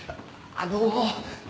あの。